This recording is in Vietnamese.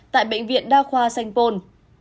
tại bệnh viện đa khoa sanh pôn